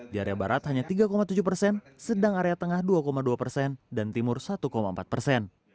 di area barat hanya tiga tujuh persen sedang area tengah dua dua persen dan timur satu empat persen